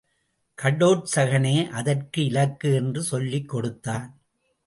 கடோற்சகனே அதற்கு இலக்கு என்று சொல்லிக் கொடுத்தான்.